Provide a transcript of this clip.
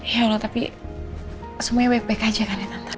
ya allah tapi semuanya wayback aja kan ya tante